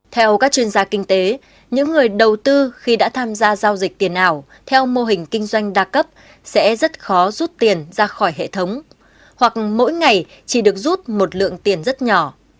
theo các chuyên gia kinh tế những người đầu tư khi đã tham gia giao dịch tiền ảo theo mô hình kinh doanh đa cấp sẽ rất khó rút tiền ra khỏi hệ thống hoặc mỗi ngày chỉ được rút một lượng tiền rất nhỏ